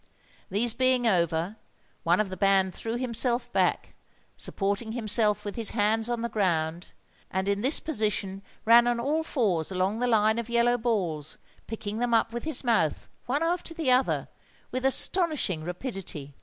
These being over, one of the band threw himself back, supporting himself with his hands on the ground, and in this position ran on all fours along the line of yellow balls, picking them up with his mouth, one after the other, with astonishing rapidity.